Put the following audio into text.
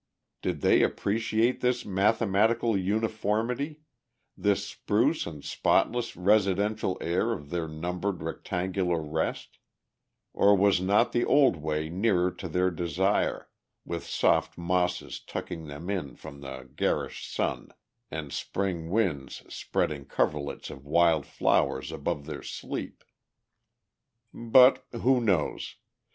Did they appreciate this mathematical uniformity, this spruce and spotless residential air of their numbered rectangular rest; or was not the old way nearer to their desire, with soft mosses tucking them in from the garish sun, and Spring winds spreading coverlets of wild flowers above their sleep? But who knows?